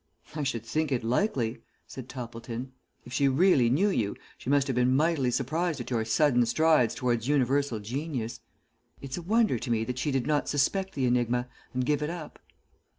"I should think it likely," said Toppleton. "If she really knew you, she must have been mightily surprised at your sudden strides towards universal genius. It's a wonder to me that she did not suspect the enigma, and give it up."